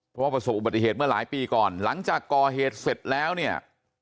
เพราะว่าประสบอุบัติเหตุเมื่อหลายปีก่อนหลังจากก่อเหตุเสร็จแล้วเนี่ย